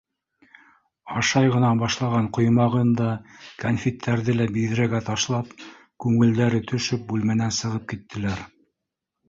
Ашай ғына башлаған ҡоймағын да, кәнфиттәрҙе лә биҙрәгә ташлап, күңелдәре төшөп, бүлмәнән сығып киттеләр.